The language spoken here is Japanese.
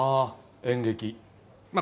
演劇まあ